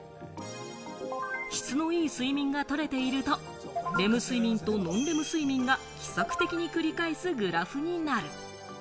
質のいい睡眠が取れていると、レム睡眠とノンレム睡眠が規則的に繰り返すグラフになる。